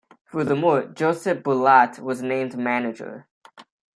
Furthermore, Josip Bulat was named manager.